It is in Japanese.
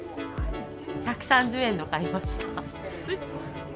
１３０円の買いました。